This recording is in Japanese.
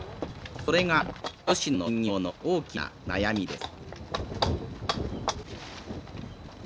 それが吉野の林業の大きな悩みです。